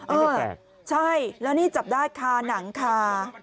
เออใช่แล้วนี่จับได้ค่ะหนังค่ะ